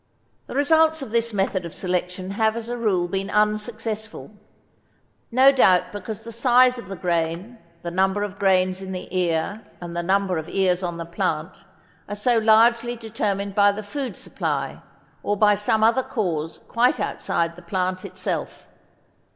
The results of this method of selection have as a rule been unsuccessful, no doubt because the size of the grain, the number of grains in the ear, and the number of ears on the plant, are so largely determined by the food supply, or by some other cause quite outside the plant itself.